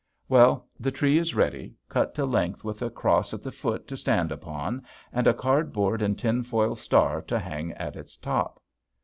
Well, the tree is ready, cut to length with a cross at the foot to stand upon, and a cardboard and tin foil star to hang at its top.